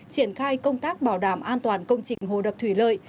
triển khai công tác bảo đảm an toàn công trình hồ đập thủy lợi